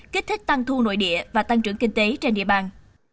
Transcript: kích thích tăng thu nội địa và tăng trưởng kinh tế trên địa bàn